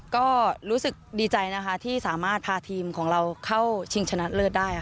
ก็รู้สึกดีใจนะคะที่สามารถพาทีมของเราเข้าชิงชนะเลิศได้